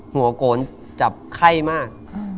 หัวโกนจับไข้มาก